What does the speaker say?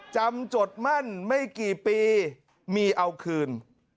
จดมั่นไม่กี่ปีมีเอาคืน